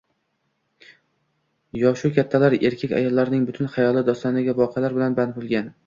Yoshu kattalar, erkak-ayollarning butun xayoli dostondagi voqealar bilan band bo'lgan